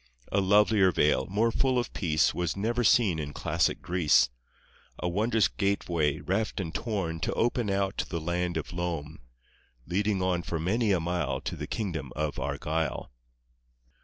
A lovelier vale, more full of peace, Was never seen in classic Greece; A wondrous gateway, reft and torn, To open out the land of Lome. Leading on for many a mile To the kingdom of Argyle.